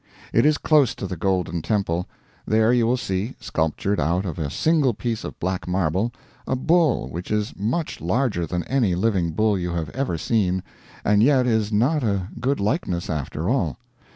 It is close to the Golden Temple. There you will see, sculptured out of a single piece of black marble, a bull which is much larger than any living bull you have ever seen, and yet is not a good likeness after all.